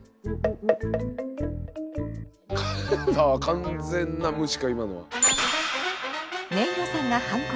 完全な無視か今のは。